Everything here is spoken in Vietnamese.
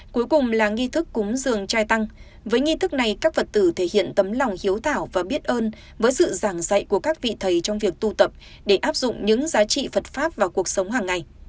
cuối cùng là nghi thức cúng dường trai tăng với nghi thức này các vật thể hiện tấm lòng hiếu thảo và biết ơn với sự giảng dạy của các vị thầy trong việc tu tập để áp dụng những giá trị phật pháp và cuộc sống hàng ngày